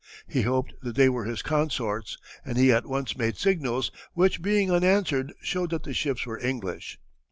He hoped that they were his consorts, and he at once made signals, which being unanswered showed that the ships were English.